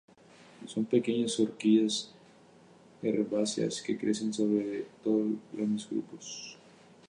Son pequeñas orquídeas herbáceas que crecen sobre todo en grandes grupos.